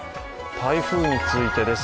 台風についてです。